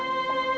aku mau kemana